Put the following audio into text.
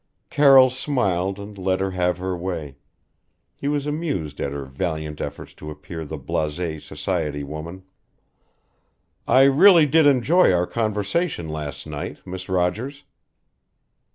Carroll smiled and let her have her way he was amused at her valiant efforts to appear the blasé society woman. "I really did enjoy our conversation last night, Miss Rogers."